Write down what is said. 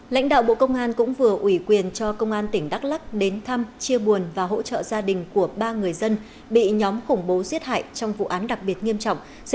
lãnh đạo bộ công an cũng vừa ủy quyền cho công an tỉnh đắk lắc đến thăm chia buồn và hỗ trợ gia đình của ba người dân bị nhóm khủng bố giết hại trong vụ án đặc biệt nghiêm trọng